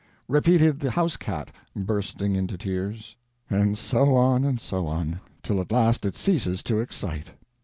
"... repeated the house cat, bursting into tears." And so on and so on; till at last it ceases to excite.